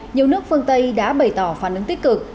nhiều nước phương tây đã bày tỏ phản ứng tích cực